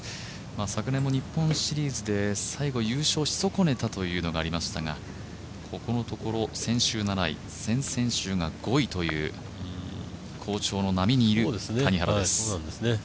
昨年も日本シリーズで最後、優勝し損ねたというのがありましたが先週７位、先々週が５位という好調の波にいる谷原です。